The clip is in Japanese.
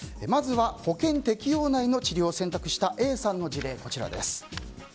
保険適用内の治療を選択したＡさんの事例です。